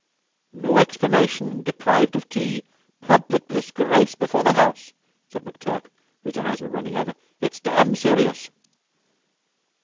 "No explanation. Deprived of tea. Public disgrace before the house," said McTurk, whose eyes were running over. "It's dam' serious."